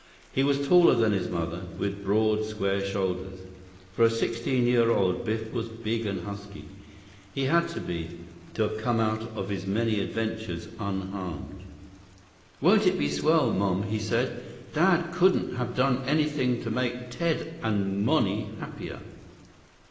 He was taller than his mother, with broad, square shoulders. For a sixteen year old, Biff was big and husky. He had to be, to have come out of his many adventures unharmed. 16 "Won't it be swell, Mom!" he said. "Dad couldn't have done anything to make Ted and Monnie happier."